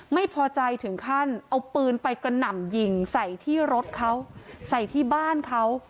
ไม่พอใจถึงขั้นเอาปืนไปกระหน่ำยิงใส่ที่รถเขาใส่ที่บ้านเขา